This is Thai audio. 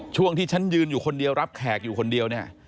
ช่วงที่ฉันยืนอยู่คนเดียวรับแขกอยู่คนเดียวเนี่ย